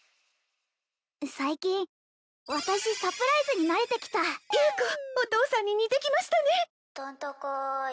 最近私サプライズに慣れてきた優子お父さんに似てきましたね！